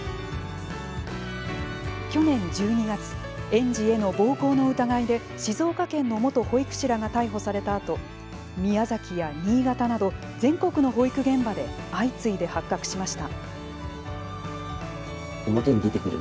去年１２月園児への暴行の疑いで静岡県の元保育士らが逮捕されたあと宮崎や新潟など、全国の保育現場で相次いで発覚しました。